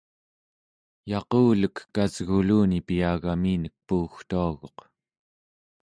yaqulek kusguluni piyagaminek puugtuaguq